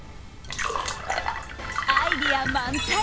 アイデア満載。